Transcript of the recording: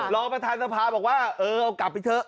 รองประธานสภาพิกษฐบอกว่าเอาไปเถอะ